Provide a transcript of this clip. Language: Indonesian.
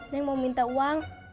yang mau minta uang